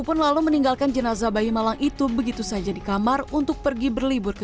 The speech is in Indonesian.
pun lalu meninggalkan jenazah bayi malang itu begitu saja di kamar untuk pergi berlibur ke